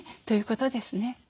ということですね。